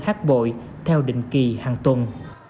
hát bội theo định kỳ hàng tuần